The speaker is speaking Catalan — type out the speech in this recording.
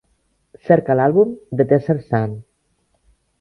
Cerca l'àlbum The Desert Sun